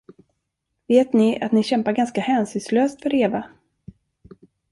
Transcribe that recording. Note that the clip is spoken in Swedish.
Vet ni att ni kämpar ganska hänsynslöst för Eva?